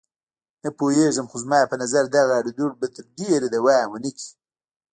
نه پوهېږم، خو زما په نظر دغه اړودوړ به تر ډېره دوام ونه کړي.